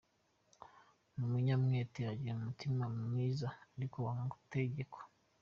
Ni umunyamwete, ugira umutima mwiza ariko wanga gutegekwa.